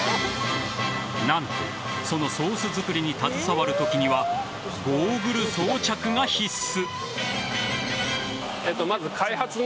何とそのソース作りに携わるときにはゴーグル装着が必須。